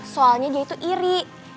soalnya dia itu iri